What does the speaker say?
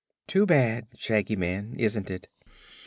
Too bad, Shaggy Man, isn't it?"